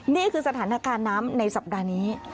นี่คือสถานการณ์น้ำในสัปดาห์นี้